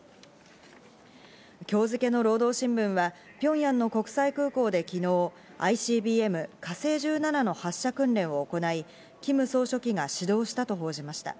今日付けの労働新聞はピョンヤンの国際空港で昨日、ＩＣＢＭ「火星１７」の発射訓練を行い、キム総書記が指導したと報じました。